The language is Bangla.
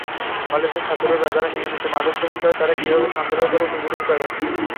কলেজের ছাত্ররা যারা নিয়মিত মাদক সেবন করে, তারা কীভাবে সংগ্রহ করে খুঁজে বের কর।